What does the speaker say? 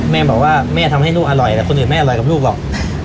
แม่บอกว่าแม่ทำให้ลูกอร่อยแต่คนอื่นไม่อร่อยกับลูกหรอก